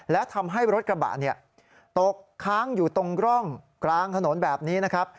และทำให้รถกระบะตกค้างอยู่ตรงร่องกลางถนนแบบนี้นะครับ